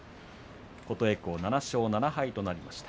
琴恵光、７勝７敗となりました。